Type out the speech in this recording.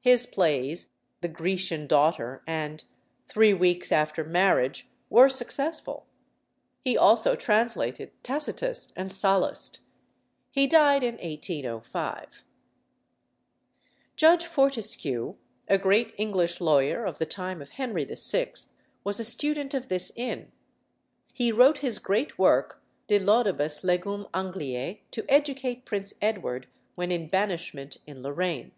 His plays, "The Grecian Daughter" and "Three Weeks after Marriage," were successful. He also translated Tacitus and Sallust. He died in 1805. Judge Fortescue, a great English lawyer of the time of Henry VI., was a student of this inn. He wrote his great work, De Laudibus Legum Angliæ to educate Prince Edward when in banishment in Lorraine.